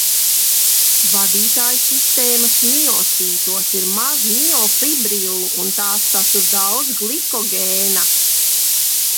Vadītājsistēmas miocītos ir maz miofibrillu un tās satur daudz glikogēna.